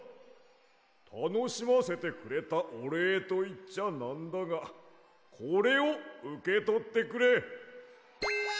たのしませてくれたおれいといっちゃなんだがこれをうけとってくれ。